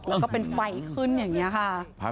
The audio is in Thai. แล้วก็เป็นไฟขึ้นอย่างนี้ค่ะ